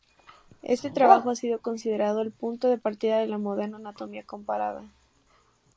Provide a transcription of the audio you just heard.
Este trabajo ha sido considerado el punto de partida de la moderna anatomía comparada.